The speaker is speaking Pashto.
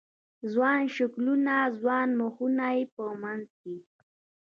ځوان شکلونه، ځوان مخونه یې په منځ کې